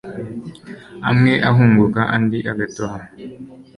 amwe ahunguka, andi agatoha